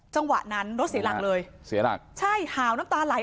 จังหวะนั้นรถเสียหลักเลยเสียหลักใช่หาวน้ำตาไหล